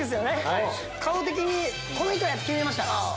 顔的にこの人や！って決めました。